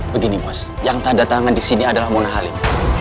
begini bos yang tanda tangan disini adalah mona halim